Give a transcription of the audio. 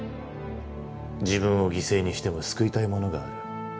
自分を犠牲にしても救いたいものがある。